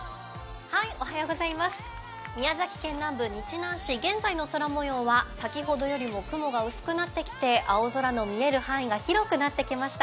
宮崎県南部・日南市、現在の空もようは先ほどよりも雲が薄くなってきて青空が見える範囲が広くなってきました。